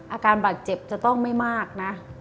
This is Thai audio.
อาการบาดเจ็บจะต้องไม่มากนะ